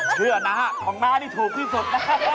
เชื่อนะครับของมาที่ถูกที่สุด